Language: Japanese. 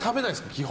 基本。